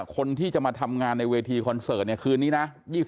คนที่จะมาทำงานในเวทีคอนเสิร์ตเนี่ยคืนนี้นะ